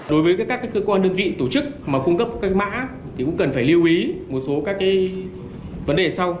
đối với các cơ quan đơn vị tổ chức mà cung cấp các mã thì cũng cần phải lưu ý một số các cái vấn đề sau